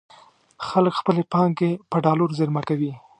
خلک خپلې پانګې په ډالرو زېرمه کوي.